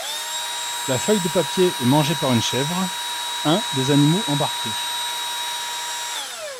La feuille de papier est mangée par une chèvre, un des animaux embarqués.